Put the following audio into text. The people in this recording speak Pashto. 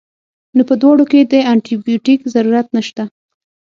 نو پۀ دواړو کښې د انټي بائيوټک ضرورت نشته